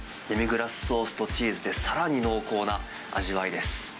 デミグラスソースとチーズでさらに濃厚な味わいです。